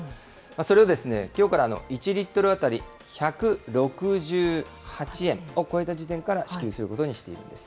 それをですね、きょうから１リットル当たり１６８円を超えた時点から支給することにしているんです。